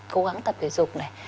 cố gắng tập thể dục này